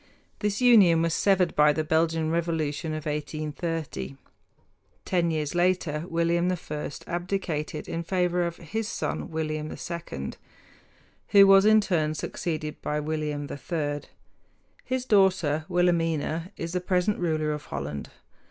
This union was severed by the Belgian revolution of 1830. Ten years later, William I abdicated in favor of his son William II, who was in turn succeeded by William III. His daughter Wilhelmina is the present ruler of Holland.